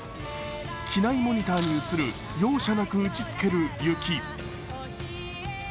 機内モニターに映る容赦なく打ちつける雪。